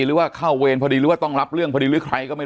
หรือว่าเข้าเวรพอดีหรือว่าต้องรับเรื่องพอดีหรือใครก็ไม่